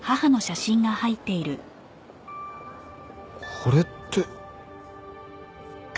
これって。